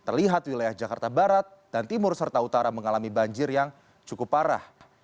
terlihat wilayah jakarta barat dan timur serta utara mengalami banjir yang cukup parah